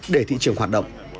để thị trường hoạt động